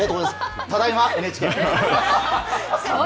ただいまＮＨＫ。